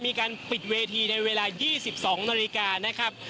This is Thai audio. มีการปิดเวทีในเวลา๒๒นาฬิกานะครับ